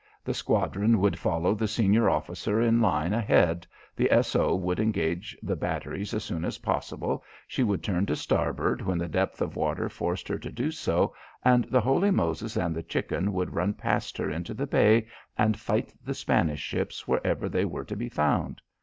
The squadron would follow the senior officer in line ahead, the S. O. would engage the batteries as soon as possible, she would turn to starboard when the depth of water forced her to do so and the Holy Moses and the Chicken would run past her into the bay and fight the Spanish ships wherever they were to be found.